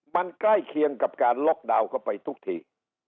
มันใกล้เคียงกับการล็อกดาวน์เข้าไปทุกที